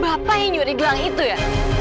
bapak yang nyuri gelang itu ya